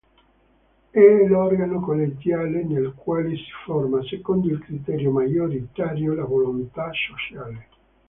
È l'organo collegiale nel quale si forma, secondo il criterio maggioritario, la volontà sociale.